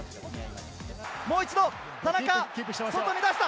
もう一度、田中、外に出した！